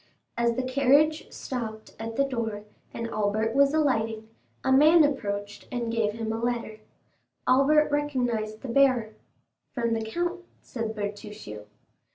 As the carriage stopped at the door, and Albert was alighting, a man approached and gave him a letter. Albert recognized the bearer. "From the count," said Bertuccio.